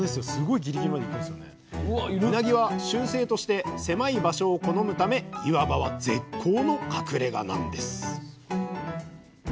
うなぎは習性として狭い場所を好むため岩場は絶好の隠れがなんです